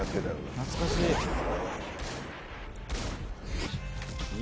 懐かしい。